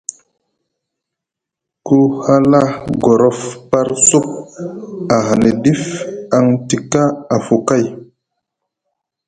Ku hala gorof par cup ahani ɗif aŋ tika afu kay.